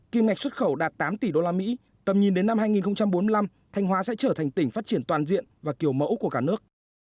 kim ngạch xuất khẩu đạt tám tỷ usd tầm nhìn đến năm hai nghìn bốn mươi năm thanh hóa sẽ trở thành tỉnh phát triển toàn diện và kiểu mẫu của cả nước